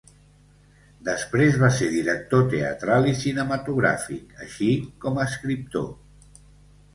Després va ser director teatral i cinematogràfic, així com escriptor.